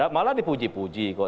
malah dipuji puji kok